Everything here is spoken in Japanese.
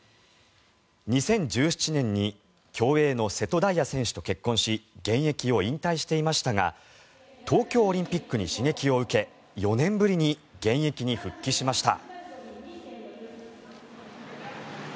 ２０１７年に競泳の瀬戸大也選手と結婚し現役を引退していましたが東京オリンピックに刺激を受け４年ぶりに現役に復帰しました。